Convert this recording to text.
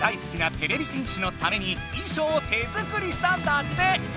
てれび戦士のためにいしょうを手作りしたんだって！